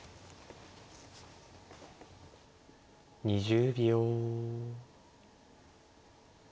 ２０秒。